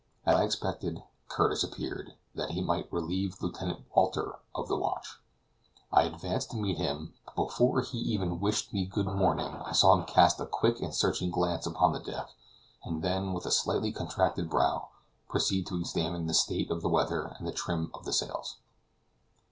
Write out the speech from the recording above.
As I expected, Curtis appeared, that he might relieve Lieutenant Walter of the watch. I advanced to meet him, but before he even wished me good morning, I saw him cast a quick and searching glance upon the deck, and then, with a slightly contracted brow, proceed to examine the state of the weather and the trim of the sails.